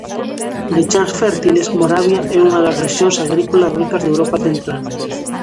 De chans fértiles, Moravia é unha das rexións agrícolas ricas de Europa Central.